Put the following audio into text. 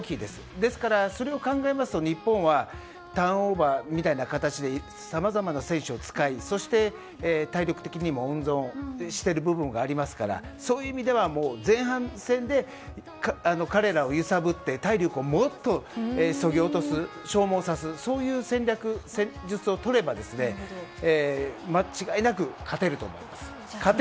ですからそれを考えますと日本はターンオーバーみたいな形でさまざまな選手を使い体力的にも温存している部分がありますからそういう意味では前半戦で彼らを揺さぶって体力をもっとそぎ落とす消耗させるそういう戦略・戦術をとれば間違いなく勝てると思います。